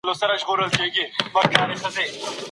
زه به د کور دندو بشپړونه وکړم.